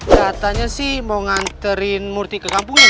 katanya sih mau nganterin murthy ke kampung ini